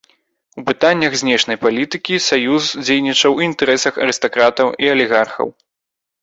У пытаннях знешняй палітыкі саюз дзейнічаў у інтарэсах арыстакратаў і алігархаў.